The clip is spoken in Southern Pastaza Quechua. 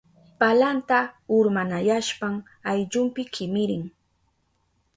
Palanta urmanayashpan ayllunpi kimirin.